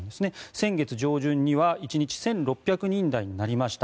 先月上旬には１日１６００人台になりました。